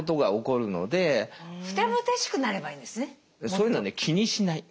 そういうのはね気にしない。